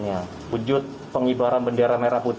ini adalah barang dagangan yang terdampak ppkm